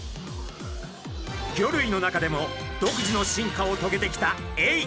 魚類の中でも独自の進化をとげてきたエイ。